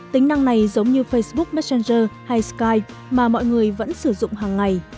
tính năng này giống như facebook messenger hay sky mà mọi người vẫn sử dụng hàng ngày